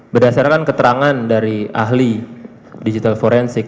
berdasarkan keterangan dari ahli digital forensik